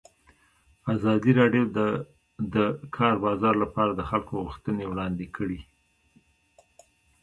ازادي راډیو د د کار بازار لپاره د خلکو غوښتنې وړاندې کړي.